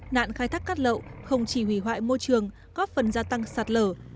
nạn khai thác cát lậu không chỉ hủy hoại môi trường góp phần gia tăng sạt lở